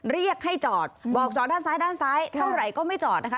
เรียกให้จอดบอกจอดด้านซ้ายด้านซ้ายเท่าไหร่ก็ไม่จอดนะคะ